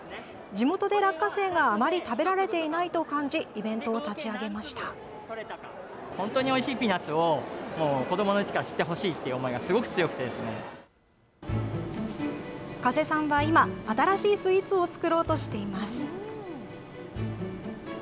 地元で落花生があまり食べられていないと感じ、イベントを立ち上加瀬さんは今、新しいスイーツを作ろうとしています。